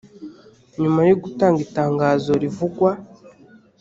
nyuma yo gutanga itangazo rivugwa